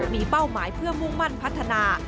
มีเป้าหมายเพื่อมุ่งมั่นพัฒนา